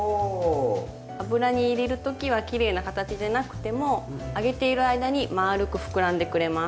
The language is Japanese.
油に入れる時はきれいな形でなくても揚げている間にまあるくふくらんでくれます。